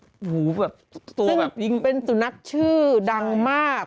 โอ้โหแบบตัวแบบจริงเป็นสุนัขชื่อดังมาก